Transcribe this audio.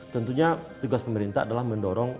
tentunya tugas pemerintah adalah mendorong